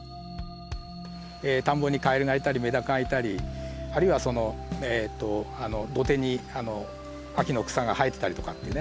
田んぼにカエルがいたりメダカがいたりあるいはその土手に秋の草が生えてたりとかっていうね